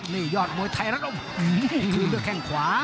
นี่ยอดมวยไทยรัตน์คืนด้วยแค่งขวา